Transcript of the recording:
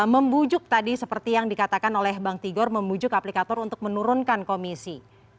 membujuk tadi seperti yang dikatakan oleh bang tigor membujuk aplikator untuk menurunkan komisi